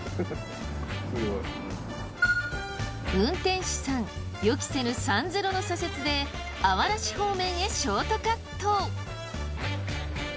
運転手さん予期せぬサンゼロの左折であわら市方面へショートカット。